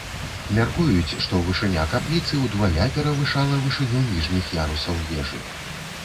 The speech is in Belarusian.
Мяркуюць, што вышыня капліцы ўдвая перавышала вышыню ніжніх ярусаў вежы.